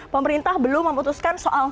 pemerintah belum memutuskan soal